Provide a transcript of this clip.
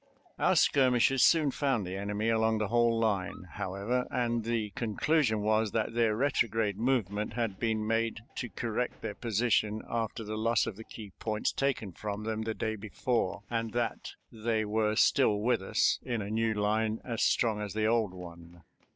Our skirmishers soon found the enemy along the whole line, however, and the conclusion was that their retrograde movement had been made to correct their position after the loss of the key points taken from them the day before, and that they were still with us in a new line as strong as the old one.